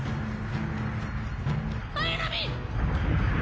「綾波！」